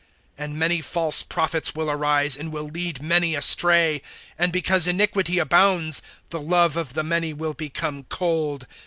(11)And many false prophets will arise, and will lead many astray. (12)And because iniquity abounds, the love of the many will become cold.